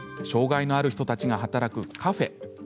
障害のある人たちが働くカフェ。